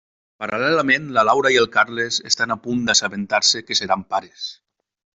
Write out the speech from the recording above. Paral·lelament, la Laura i el Carles estan a punt d'assabentar-se que seran pares.